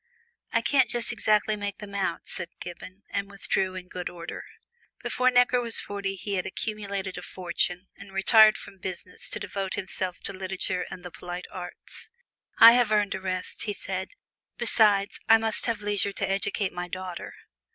"I can't just exactly make 'em out," said Gibbon, and withdrew in good order. Before Necker was forty he had accumulated a fortune, and retired from business to devote himself to literature and the polite arts. "I have earned a rest," he said; "besides, I must have leisure to educate my daughter."